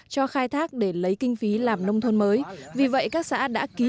cho khai thác để lấy kinh phí làm nông thôn mới vì vậy các xã đã ký